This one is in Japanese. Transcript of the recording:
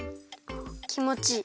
きもちいい。